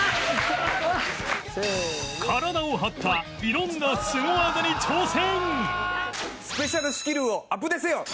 体を張った色んなスゴ技に挑戦